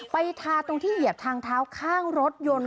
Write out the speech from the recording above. ทาตรงที่เหยียบทางเท้าข้างรถยนต์